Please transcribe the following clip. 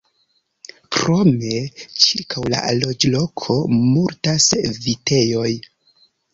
Krome, ĉirkaŭ la loĝloko multas vitejoj.